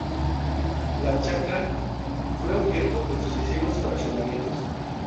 La chacra fue objeto de sucesivos fraccionamientos.